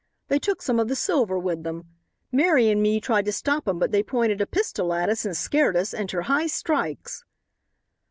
They took some of the silver with them. Mary and me tried to stop 'em but they pointed a pistol at us and scared us inter high strikes."